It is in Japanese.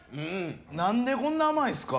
何でこんな甘いんすか？